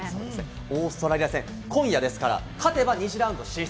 オーストラリア戦、今夜ですから勝てば２次ラウンド進出。